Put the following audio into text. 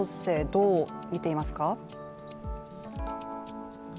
どう見ていますか。